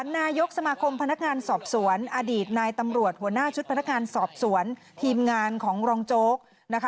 นายกสมาคมพนักงานสอบสวนอดีตนายตำรวจหัวหน้าชุดพนักงานสอบสวนทีมงานของรองโจ๊กนะคะ